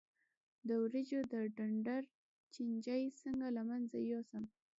د وریجو د ډنډر چینجی څنګه له منځه یوسم؟